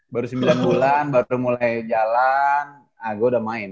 baru sembilan bulan baru mulai jalan gue udah main